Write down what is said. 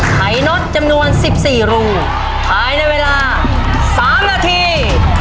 ไขน็อตจำนวนสิบสี่รุ่งท้ายในเวลาสามนาที